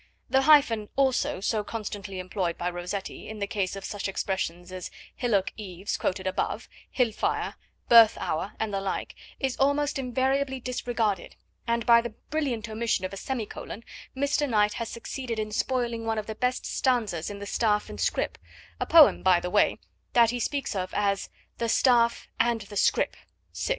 The hyphen, also, so constantly employed by Rossetti in the case of such expressions as 'hillock eaves' quoted above, 'hill fire,' 'birth hour,' and the like, is almost invariably disregarded, and by the brilliant omission of a semicolon Mr. Knight has succeeded in spoiling one of the best stanzas in The Staff and Scrip a poem, by the way, that he speaks of as The Staff and the Scrip.